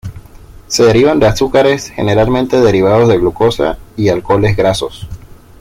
Se derivan de azúcares, generalmente derivados de glucosa, y alcoholes grasos.